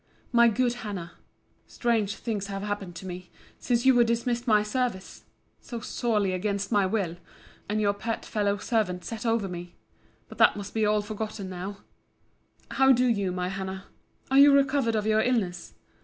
MY GOOD HANNAH, Strange things have happened to me, since you were dismissed my service (so sorely against my will) and your pert fellow servant set over me. But that must all be forgotten now— How do you, my Hannah? Are you recovered of your illness?